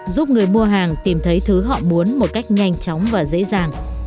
giúp người mua hàng tìm thấy thứ họ muốn một cách nhanh chóng và dễ dàng